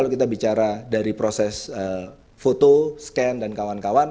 kalau kita bicara dari proses foto scan dan kawan kawan